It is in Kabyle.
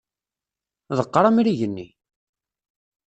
Ḍeqqer amrig-nni!